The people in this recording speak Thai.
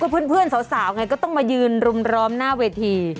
เพื่อนสาวไงก็ต้องมายืนรุมร้อมหน้าเวที